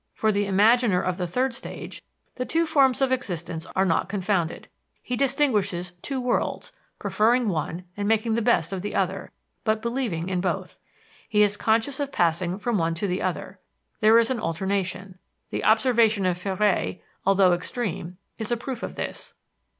For the imaginer of the third stage, the two forms of existence are not confounded. He distinguishes two worlds, preferring one and making the best of the other, but believing in both. He is conscious of passing from one to the other. There is an alternation. The observation of Féré, although extreme, is a proof of this.